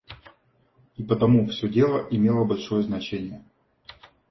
И потому всё дело имело большое значение.